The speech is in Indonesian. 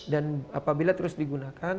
dan apabila terus digunakan